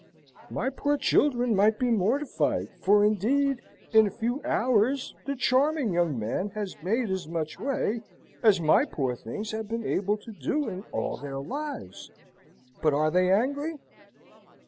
My poor children might be mortified, for indeed, in a few hours, the charming young man has made as much way as my poor things have been able to do in all their lives: but are they angry?